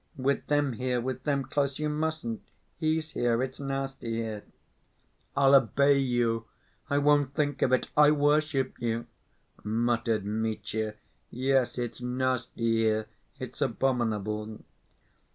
With them here, with them close, you mustn't. He's here. It's nasty here...." "I'll obey you! I won't think of it ... I worship you!" muttered Mitya. "Yes, it's nasty here, it's abominable."